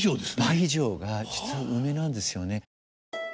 倍以上が実は梅なんですよね。